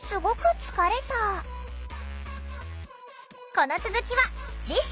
この続きは次週！